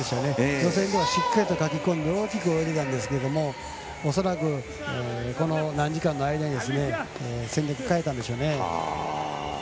予選のほうがしっかり、かきこんで大きく泳いでたんですけど恐らくこの何時間の間に戦略を変えたんでしょうね。